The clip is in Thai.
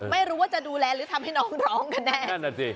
ไม่รู้ว่าจะดูแลหรือทำให้น้องร้องกันแน่